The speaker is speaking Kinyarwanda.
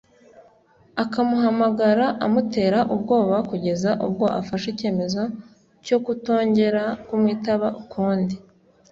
akamuhamagara amutera ubwoba kugeza ubwo afashe icyemezo cyo kutongera kumwitaba ukundi